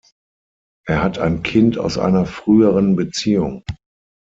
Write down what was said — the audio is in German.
Er hat ein Kind aus einer früheren Beziehung.